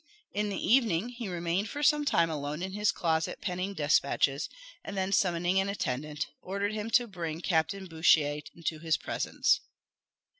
In the evening he remained for some time alone in his closet penning despatches, and then summoning an attendant, ordered him to bring Captain Bouchier into his presence.